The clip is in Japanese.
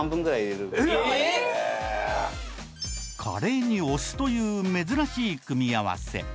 カレーにお酢という珍しい組み合わせ